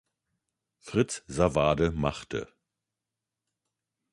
Fritz Sawade“ machte.